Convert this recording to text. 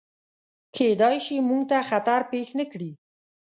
کیدای شي، موږ ته خطر پیښ نکړي.